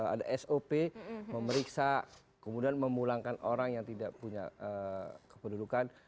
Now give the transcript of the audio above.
ada sop memeriksa kemudian memulangkan orang yang tidak punya kependudukan